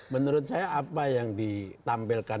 menurut saya apa yang ditampilkan